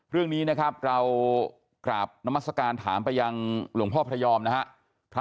เรื่องนี้นะครับเรากราบนามัศกาลถามไปยังหลวงพ่อพระยอมนะครับ